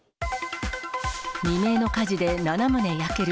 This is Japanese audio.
未明の火事で７棟焼ける。